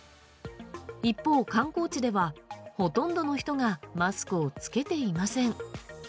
一方、観光地ではほとんどの人がマスクを着けていません。